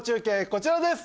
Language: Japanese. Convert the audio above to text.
こちらです